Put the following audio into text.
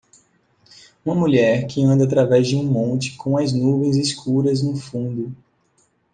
Uma mulher que anda através de um monte com as nuvens escuras no fundo.